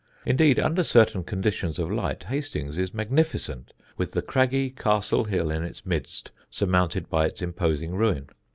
Indeed, under certain conditions of light, Hastings is magnificent, with the craggy Castle Hill in its midst surmounted by its imposing ruin.